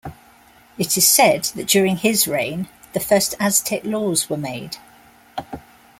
It is said that during his reign, the first Aztec laws were made.